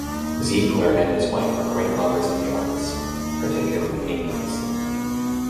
Ziegler and his wife were great lovers of the arts, particularly paintings.